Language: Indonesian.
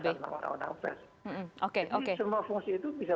semua fungsi itu bisa